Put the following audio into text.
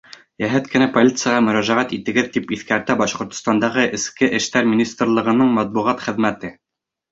Йәһәт кенә полицияға мөрәжәғәт итегеҙ, — тип иҫкәртә Башҡортостандағы Эске эштәр министрлығының матбуғат хеҙмәте.